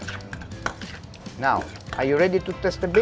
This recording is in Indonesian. sekarang kamu siap untuk mencoba